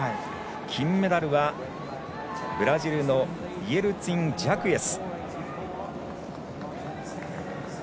金メダルはブラジルのイエルツィン・ジャクエス。